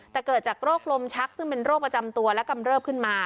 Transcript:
แต่เกิดจากโรคลมชักซึ่งเป็นโรคประจำตัวและกำเริบขึ้นมา